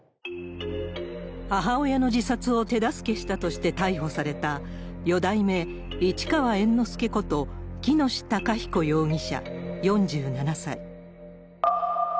母親の自殺を手助けしたとして逮捕された、四代目市川猿之助こと、喜熨斗孝彦容疑者４７歳。